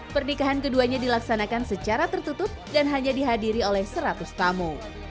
pernikahan keduanya dilaksanakan secara tertutup dan hanya dihadiri oleh seratus tamu